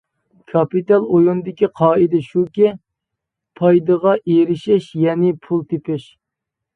كاپىتال ئويۇنىدىكى قائىدە شۇكى، پايدىغا ئېرىشىش يەنى پۇل تېپىش.